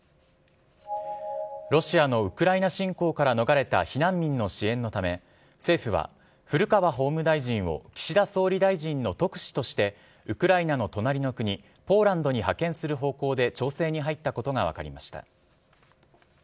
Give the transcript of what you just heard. ロシアのウクライナ侵攻から逃れた避難民の支援のため政府は、古川法務大臣を岸田総理大臣の特使としてウクライナの隣の国ポーランドに派遣する方向で調整に入ったことが分かりました。